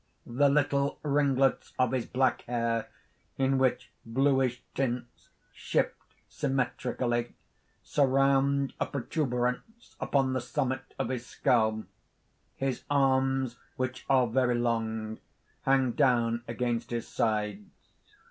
The little ringlets of his black hair in which blueish tints shift symmetrically surround a protuberance upon the summit of his skull. His arms, which are very long, hang down against his sides.